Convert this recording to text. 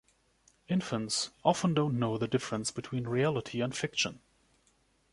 Infants often don’t know the difference between reality and fiction.